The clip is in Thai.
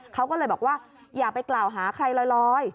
เขาก็เลยบอกว่าอย่าไปกล่าวหาใครลอย